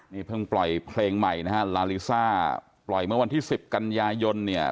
นี่เพิ่งปล่อยเพลงใหม่นะฮะลาลิซ่าปล่อยเมื่อวันที่๑๐กันยายนเนี่ย